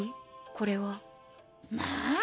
これは。なぁ？